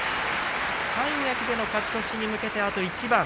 三役での勝ち越しに向けてあと一番。